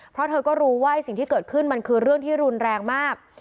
เพราะเธอก็รู้ว่าสิ่งที่เกิดขึ้นมันคือเรื่องที่รุนแรงมาก